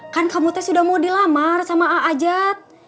kan kamu teh sudah mau dilamar sama ⁇ a ajat